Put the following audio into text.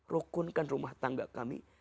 rukunkan rumah tangga kami